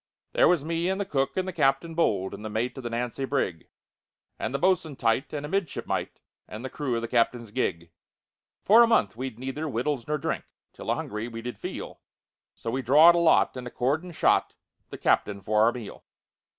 "There was me and the cook and the captain bold, And the mate of the Nancy brig, And the bo'sun tight, and a midshipmite, And the crew of the captain's gig. "For a month we'd neither wittles nor drink, Till a hungry we did feel, So we drawed a lot, and accordin' shot The captain for our meal.